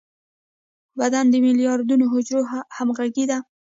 بدن د ملیاردونو حجرو همغږي ده.